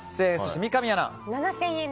三上アナ。